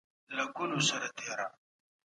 له خدای څخه د نیک تقدیر غوښتنه وکړئ.